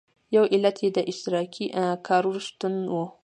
یو علت یې د اشتراکي کار شتون و.